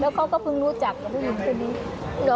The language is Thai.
เขาก็เพิ่งรู้จักกับผู้หญิงคนนี้